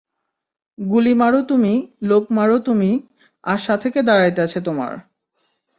গুলি মারো তুমি, লোক মারো তুমি, আর সাথে কে দাঁড়ায় তাছে তোমার?